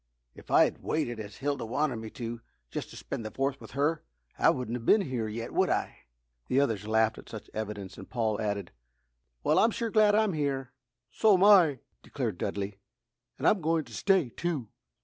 "If I'd waited as Hilda wanted me to, just to spend the Fourth with her, I wouldn't have been here yet, would I?" The others laughed at such evidence, and Paul added: "Well, I sure am glad I'm here!" "So'm I," declared Dudley. "And I'm goin' to stay, too!"